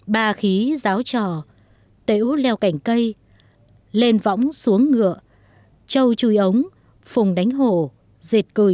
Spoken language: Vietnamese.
ba khí giáo trò tễ út leo cảnh cây lên võng xuống ngựa trâu chui ống phùng đánh hổ dệt cười